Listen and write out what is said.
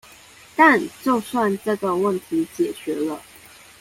但就算這個問題解決了